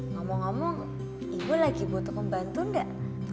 ngomong ngomong ibu lagi butuh pembantu gak